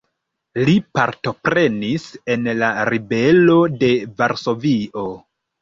Li partoprenis en la Ribelo de Varsovio.